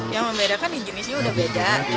yang membedakan jenisnya udah beda